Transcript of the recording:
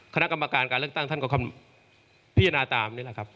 คณะกรรมการการเลือกตั้งท่านก็พิจารณาตามนี่แหละครับ